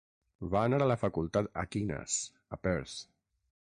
Va anar a la facultat Aquinas, a Perth.